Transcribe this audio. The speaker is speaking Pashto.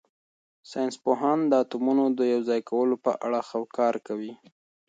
ساینس پوهان د اتومونو د یوځای کولو په اړه کار کوي.